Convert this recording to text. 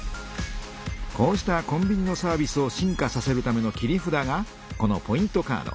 こうしたコンビニのサービスを進化させるための切り札がこのポイントカード。